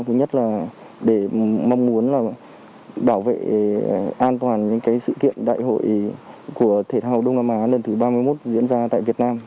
thứ nhất là để mong muốn là bảo vệ an toàn những sự kiện đại hội của thể thao đông nam á lần thứ ba mươi một diễn ra tại việt nam